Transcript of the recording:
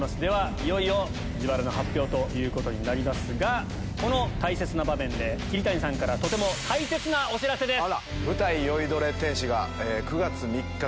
いよいよ自腹の発表ということになりますがこの大切な場面で桐谷さんからとても大切なお知らせです！